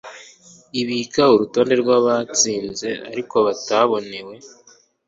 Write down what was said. ibika urutonde rw abatsinze ariko batabonewe